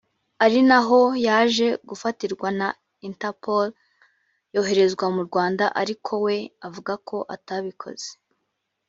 ari na ho yaje gufatirwa na interpol yoherezwa mu rwanda ariko we avuga ko atabikoze